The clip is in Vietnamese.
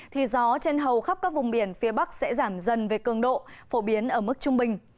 thì gió trên hầu khắp các vùng biển phía bắc sẽ giảm dần về cường độ phổ biến ở mức trung bình